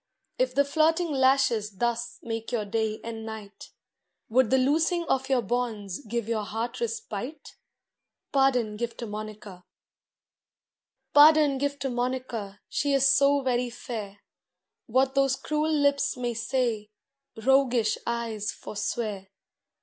If the flirting lashes thus Make your day and night. Would the loosing of your bonds Give your heart respite ? Pardon give to Monica. 76 MONICA Pardon give to Monica, She is so very fair. What those cruel lips may say, Roguish eyes forswear.